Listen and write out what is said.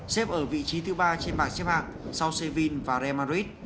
xếp ở vị trí thứ ba trên bảng xếp hạng sau sevilla và real madrid